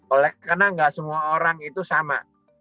oleh karena nggak semua orang itu sama